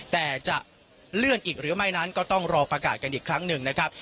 แต่จะเลื่อนอีกหรือไม่นั้นก็ต้องรอประกาศกันอีกครั้งหนึ่งนะครับ